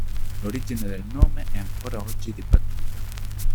L'origine del nome è ancora oggi dibattuta.